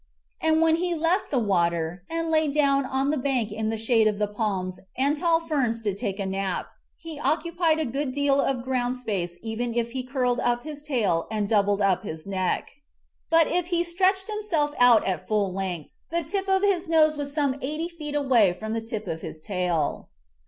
And when he left the water and lay down on the bank in the shade of the palms and tall ferns to take a nap, he occu pied a good deal of ground space even if he curled up his tail and doubled up his neck. But if he stretched himself out at full length, the tip of his nose was some eighty feet away from the tip of his tail.